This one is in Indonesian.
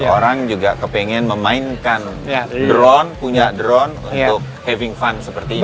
orang juga kepengen memainkan drone punya drone untuk having fund seperti ini